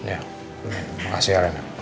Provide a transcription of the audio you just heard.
ya makasih ya ren